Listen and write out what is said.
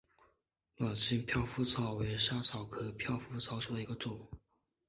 卵形飘拂草为莎草科飘拂草属下的一个种。